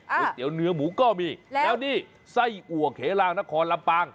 เตี๋ยวเนื้อหมูก็มีแล้วนี่ไส้อัวเขลางนครลำปาง